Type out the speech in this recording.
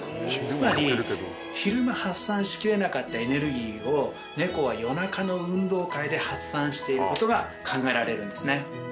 つまり昼間発散しきれなかったエネルギーを猫は夜中の運動会で発散していることが考えられるんですね。